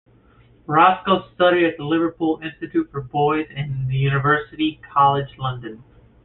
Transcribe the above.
Roscoe studied at the Liverpool Institute for Boys and University College London.